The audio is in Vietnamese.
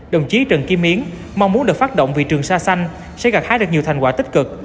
đồng chí trần kim yến mong muốn được phát động vì trường sa xanh sẽ gặt hái được nhiều thành quả tích cực